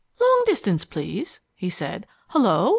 "Long Distance, please," he said. "Hullo?